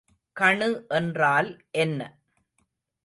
கணு என்றால் என்ன?